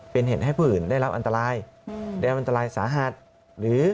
เป็นเหตุให้ผู้อื่นได้รับอันตรายได้รับอันตรายสาหัสหรือ